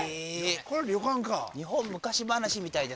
これ旅館か。